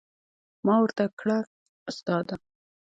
ما ورته کړه استاده.